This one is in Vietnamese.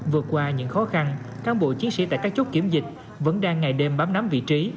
vượt qua những khó khăn cán bộ chiến sĩ tại các chốt kiểm dịch vẫn đang ngày đêm bám nắm vị trí